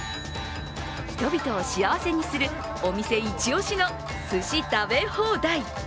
人々を幸せにするお店一押しの寿司食べ放題。